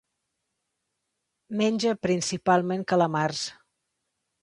Menja principalment calamars.